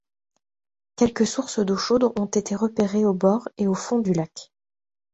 Quelques sources d'eau chaude ont été repérées au bord et au fond du lac.